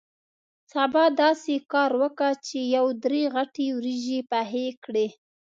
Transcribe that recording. سبا داسې کار وکه چې یو درې غټې وریجې پخې کړې.